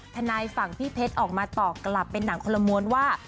ทนายฝั่งพี่เพชรออกมาปอกกลับในหนังข้อละมวลว่า